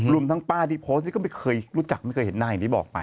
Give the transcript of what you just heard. รวมทั้งป้าที่โพสต์นี้ก็ไม่เคยรู้จักไม่เคยเห็นหน้าอย่างที่บอกไป